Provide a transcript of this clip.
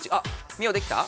ミオできた？